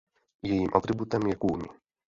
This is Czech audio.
Jejím atributem je kůň.